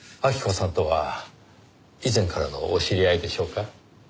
晃子さんとは以前からのお知り合いでしょうか？